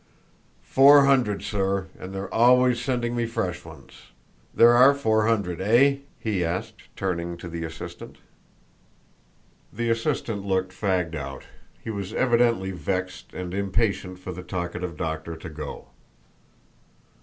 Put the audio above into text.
"Four hundred, sir, and they're always sending me fresh ones. There are four hundred? Eh?" he asked, turning to the assistant. The assistant looked fagged out. He was evidently vexed and impatient for the talkative doctor to go.